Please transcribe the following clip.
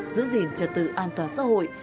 giữ gìn trật tự an toàn xã hội